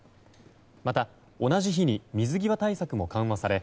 また、同じ日に水際対策も緩和され